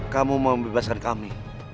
kamu mau membebaskan kami